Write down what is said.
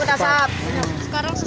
semoga pemerintah menghilangkan kabut asap